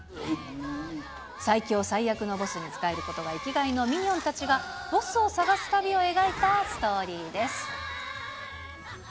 最強最悪のボスに仕えることが生きがいのミニオンたちが、ボスを探す旅を描いたストーリーです。